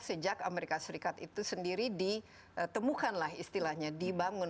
sejak amerika serikat itu sendiri ditemukanlah istilahnya dibangun